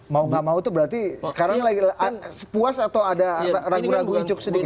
mau gak mau itu berarti sekarang lagi puas atau ada ragu ragu icuk sedikit